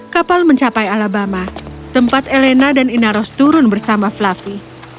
kapal mencapai alabama tempat elena dan inaros turun bersama fluffy